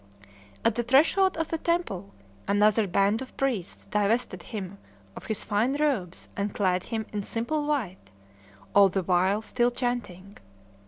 At the threshold of the temple another band of priests divested him of his fine robes and clad him in simple white, all the while still chanting.